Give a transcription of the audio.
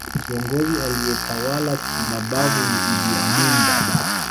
kiongozi aliyetawala kimabavu ni idd amin dada